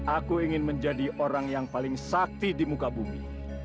aku ingin menjadi orang yang paling sakti di muka bumi